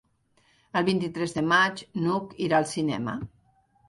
El vint-i-tres de maig n'Hug irà al cinema.